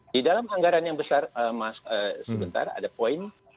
di dalam anggaran yang besar sebentar ada poin